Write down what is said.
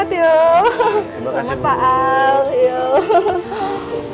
pintar selamat yuk